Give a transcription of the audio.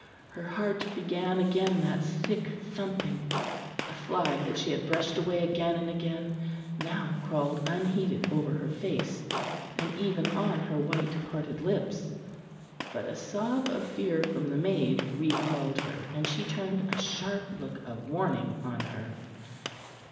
Her heart began again that sick thumping; a fly that she had brushed away again and again now crawled unheeded over her face, and even on her white parted lips; but a sob of fear from the maid recalled her, and she turned a sharp look of warning on her.